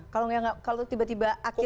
kalau tiba tiba akhirnya